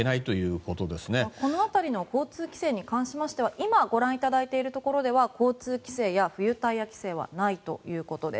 この辺りの交通規制に関しましては今、ご覧いただいているところでは交通規制や冬タイヤ規制はないということです。